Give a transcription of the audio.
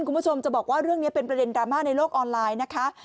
คุณผู้ชมจะบอกว่าเรื่องนี้เป็นประเด็นดราม่าในโลกออนไลน์นะคะ